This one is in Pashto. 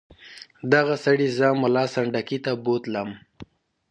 دغه سړي زه ملا سنډکي ته بوتلم.